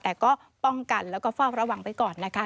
แต่ก็ป้องกันแล้วก็เฝ้าระวังไว้ก่อนนะคะ